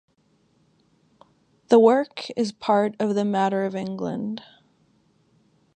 The work is part of the Matter of England.